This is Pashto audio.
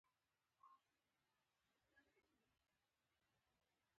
خپل غچ دې واخست.